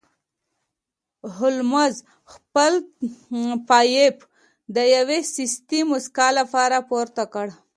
هولمز خپل پایپ د یوې سستې موسکا سره پورته کړ